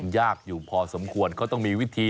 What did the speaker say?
ยากอยู่พอสมควรเขาต้องมีวิธี